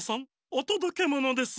おとどけものです！